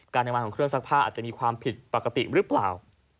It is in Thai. ในวันของเครื่องซักผ้าอาจจะมีความผิดปกติหรือเปล่า